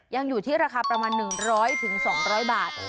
ยังอยู่ที่ราคาประมาณ๑๐๐๒๐๐บาท